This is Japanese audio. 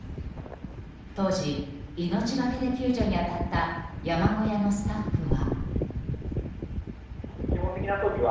当時、命がけで救助に当たった山小屋のスタッフは。